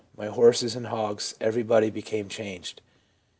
My horses and hogs and everybody became changed.'